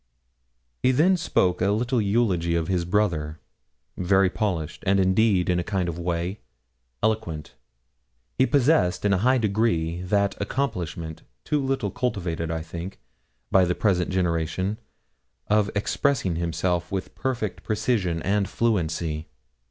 He then spoke a little eulogy of his brother, very polished, and, indeed, in a kind of way, eloquent. He possessed in a high degree that accomplishment, too little cultivated, I think, by the present generation, of expressing himself with perfect precision and fluency.